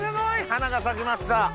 花が咲きました。